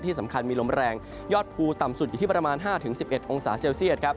สำคัญมีลมแรงยอดภูต่ำสุดอยู่ที่ประมาณ๕๑๑องศาเซลเซียตครับ